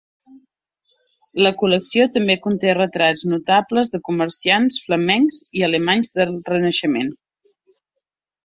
La col·lecció també conté retrats notables de comerciants flamencs i alemanys del Renaixement.